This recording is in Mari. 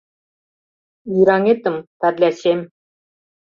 Вӱраҥетым, Тарлячем